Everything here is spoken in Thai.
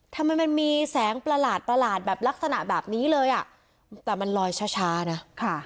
ทำไมมันมีแสงประหลาดประหลาดแบบลักษณะแบบนี้เลยอ่ะแต่มันลอยช้านะค่ะ